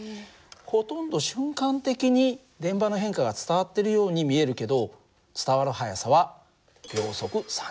ほとんど瞬間的に電場の変化が伝わってるように見えるけど伝わる速さは秒速３０万ｋｍ。